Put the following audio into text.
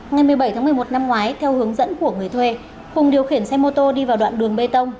ngày một mươi bảy tháng một mươi một năm ngoái theo hướng dẫn của người thuê hùng điều khiển xe mô tô đi vào đoạn đường bê tông